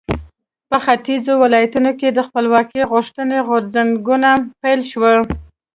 په ختیځو ولایاتو کې د خپلواکۍ غوښتنې غورځنګونو پیل شو.